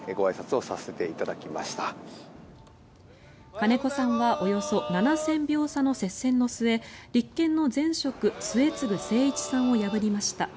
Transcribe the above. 金子さんはおよそ７０００票差の接戦の末立憲の前職末次精一さんを破りました。